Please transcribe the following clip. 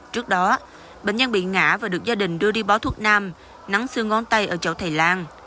trước đó bệnh nhân bị ngã và được gia đình đưa đi bó thuốc nam nắng xương ngón tay ở chỗ thầy lan